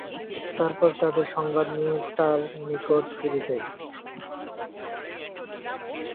তারপর তাদের সংবাদ নিয়ে তাঁর নিকট ফিরে যাই।